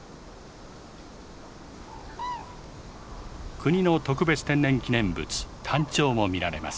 国の特別天然記念物タンチョウも見られます。